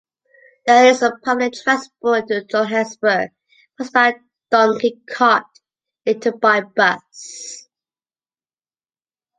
The earliest public transport into Johannesburg was by donkey cart, later by bus.